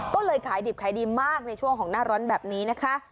ก็เลยขายดิบขายดีมากในช่วงของหน้าร้อนแบบนี้นะคะ